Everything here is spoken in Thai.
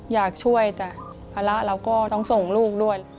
อยากช่วยแต่ภาระเราก็ต้องส่งลูกด้วย